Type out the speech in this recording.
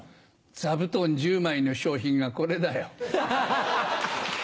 座布団１０枚の賞品がこれだよ。